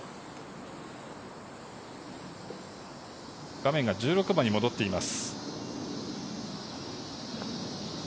画面が１６番に戻っています。